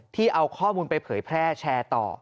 เอาข้อมูลไปเผยแพร่แชร์ต่อ